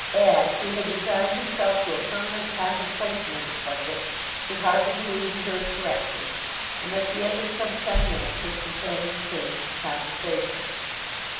Ashe, who had resigned himself to a permanent contemplation of the subject, could hardly believe he heard correctly when, at the end of some ten minutes, his companion changed the conversation.